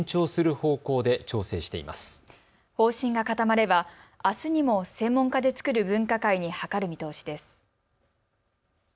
方針が固まればあすにも専門家で作る分科会に諮る見通しです。